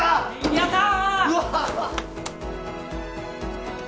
やったー！